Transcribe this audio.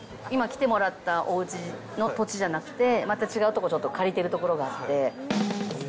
今、来てもらったおうちの土地じゃなくて、また違う所、借りてる所があって。